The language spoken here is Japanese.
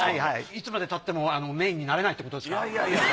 いつまでたってもメインになれないってことですか？